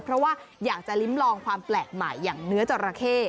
เพราะว่าอยากจะลิ้มลองความแปลกใหม่อย่างเนื้อจราเข้